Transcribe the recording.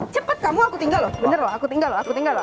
cepat kamu aku tinggal loh